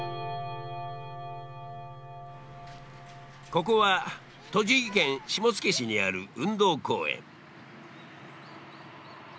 ここは栃木県下野市にある運動公園。